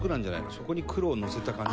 そこに黒をのせた感じ？